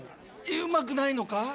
うまくないのか？